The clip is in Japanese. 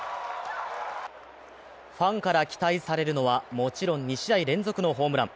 ファンから期待されるのはもちろん２試合連続のホームラン。